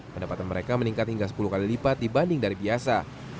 pendapatan mereka meningkat hingga sepuluh kali lipat dibanding dari biasa